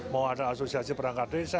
mau ada asosiasi perangkat desa